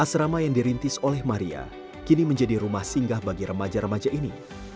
asrama yang dirintis oleh maria kini menjadi rumah singgah bagi remaja remaja ini